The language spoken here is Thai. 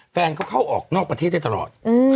แฟนเขาเข้าออกนอกประเทศได้ตลอด